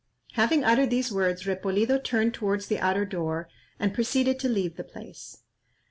Having uttered these words, Repolido turned towards the outer door, and proceeded to leave the place.